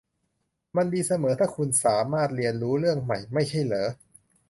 มันดีเสมอถ้าคุณสามารถเรียนรู้เรื่องใหม่ ไม่ใช่หรอ